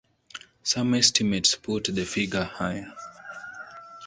Some estimates put the figure higher.